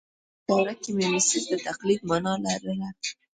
اپلاتون په دوره کې میمیسیس د تقلید مانا لرله